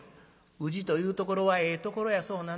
「宇治というところはええところやそうなな。